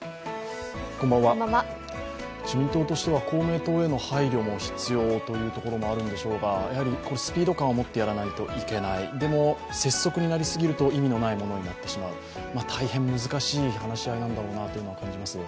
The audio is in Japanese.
自民党としては公明党への配慮も必要というところもあるんでしょうがやはりスピード感を持ってやらないといけない、でも、拙速になりすぎると意味のないものになってしまう大変難しい話し合いなんだろうなというのは感じます。